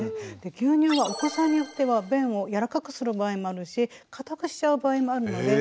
牛乳はお子さんによっては便をやわらかくする場合もあるし硬くしちゃう場合もあるので。